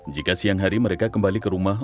jika siang hari mereka kembali ke rumah